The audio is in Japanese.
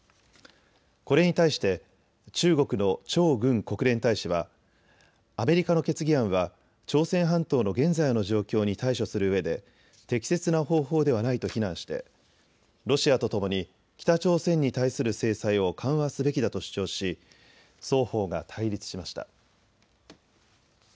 これに対して中国の張軍国連大使はアメリカの決議案は朝鮮半島の現在の状況に対処するうえで適切な方法ではないと非難してロシアとともに北朝鮮に対する制裁を緩和すべきだと主張し双方が対立しました。